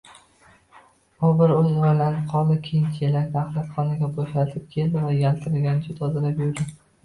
U bir oz oʻylanib qoldi, keyin chelakni axlatxonaga boʻshatib keldi va yaltiragunicha tozalab yuvdi.